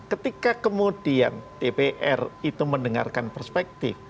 ketika kemudian dpr itu mendengarkan perspektif